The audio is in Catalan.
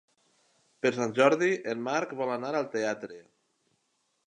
Per Sant Jordi en Marc vol anar al teatre.